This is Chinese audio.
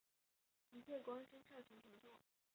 凭借关心下层群众的利益和美德而受到爱戴。